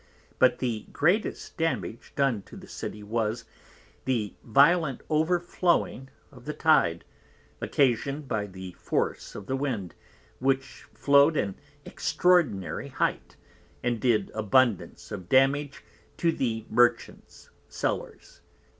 But the greatest damage done to the City was, the violent over flowing of the Tide, occasion'd by the force of the Wind, which flowed an extraordinary height, and did abundance of damage to the Merchants Cellers.